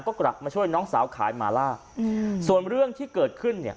ก็กลับมาช่วยน้องสาวขายหมาล่าอืมส่วนเรื่องที่เกิดขึ้นเนี่ย